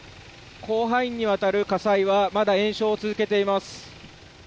広範囲にわたる火災はまだ延焼を続けています。